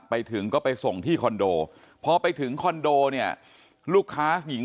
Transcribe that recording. ไปถึงก็ไปส่งที่คอนโดพอไปถึงคอนโดเนี่ยลูกค้าหญิง